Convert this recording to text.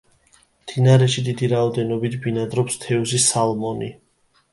მდინარეში დიდი რაოდენობით ბინადრობს თევზი სალმონი.